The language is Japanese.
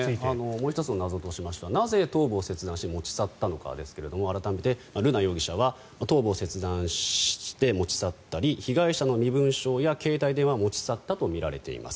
もう１つの謎としてはなぜ頭部を切断して持ち去ったのかですが改めて、瑠奈容疑者は頭部を切断して持ち去ったり被害者の身分証や携帯電話を持ち去ったとみられています。